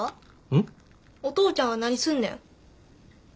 お父ちゃんは何すんねん。